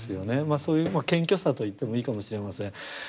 そういう謙虚さと言ってもいいかもしれません。